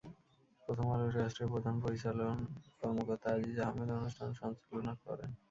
প্রথম আলো ট্রাস্টের প্রধান পরিচালন কর্মকর্তা আজিজা আহমেদ অনুষ্ঠান সঞ্চালনা করেন।